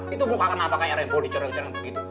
itu bukan kenapa kayak rempoh dicurang curang gitu